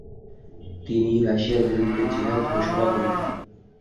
তিনি রাশিয়ার বিরুদ্ধে জিহাদ ঘোষণা করেন।